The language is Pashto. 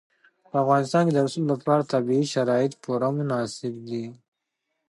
په افغانستان کې د رسوب لپاره طبیعي شرایط پوره مناسب دي.